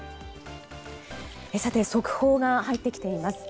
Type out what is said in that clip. さて、速報が入ってきています。